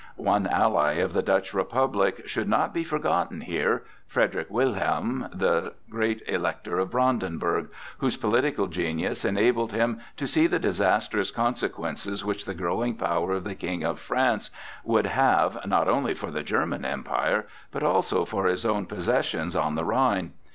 One ally of the Dutch Republic should not be forgotten here—Frederick William, the great Elector of Brandenburg, whose political genius enabled him to see the disastrous consequences which the growing power of the King of France would have not only for the German Empire, but also for his own possessions on the Rhine.